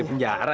buka dulu pak